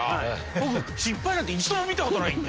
僕失敗なんて一度も見たことないんで。